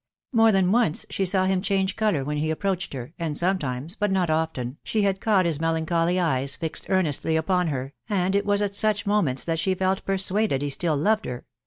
More than once she saw him change colour when ht approached her ; and sometimes, but not often, she had caught his melancholy eyes fixed earnestly upon her, and it was at such moments that she felt persuaded he still loved her •*•